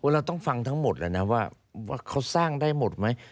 เราต้องฟังทั้งหมดแล้วนะว่าเขาสร้างได้หมดไหม